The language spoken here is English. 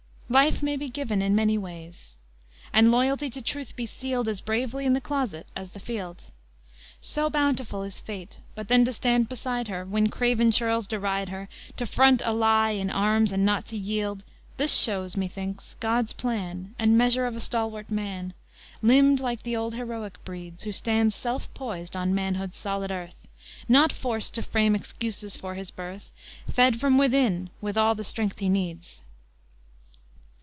Life may be given in many ways, And loyalty to Truth be sealed As bravely in the closet as the field, So bountiful is Fate: But then to stand beside her, When craven churls deride her, To front a lie in arms and not to yield, This shows, methinks, God's plan And measure of a stalwart man, Limbed like the old heroic breeds, Who stands self poised on manhood's solid earth, Not forced to frame excuses for his birth, Fed from within with all the strength he needs.